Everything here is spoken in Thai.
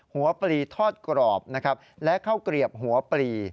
หัวปรีทอดกรอบนะครับและเข้ากรีบหัวปรี